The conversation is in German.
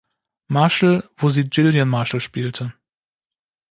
Marshall", wo sie "Jillian Marshall" spielte.